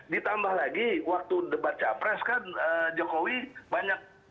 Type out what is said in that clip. ditambah lagi waktu debat capres kan jokowi banyak